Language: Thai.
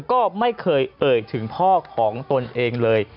ก็ไม่เคยเอ่ยถึงพ่อของตนเองเลย